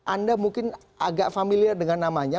anda mungkin agak familiar dengan namanya